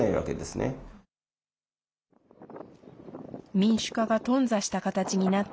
民主化が頓挫した形になった